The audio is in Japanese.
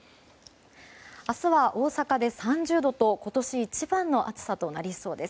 明日は大阪で３０度と今年一番の暑さとなりそうです。